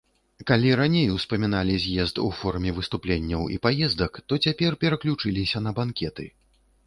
Калі раней успаміналі з'езд у форме выступленняў і паездак, то цяпер пераключыліся на банкеты.